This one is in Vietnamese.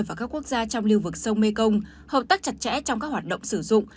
và các quốc gia trong lưu vực sông mekong hợp tác chặt chẽ trong các hoạt động sử dụng